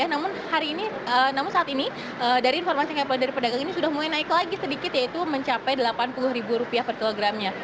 namun hari ini namun saat ini dari informasi yang kami dari pedagang ini sudah mulai naik lagi sedikit yaitu mencapai rp delapan puluh per kilogramnya